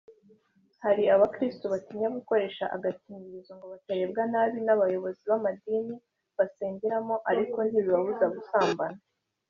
Hari abakirisitu batinya gukoresha agakingirizo ngo batarebwa nabi n’abayobozi b’amadini basengeramo ariko ntibibabuze gusambana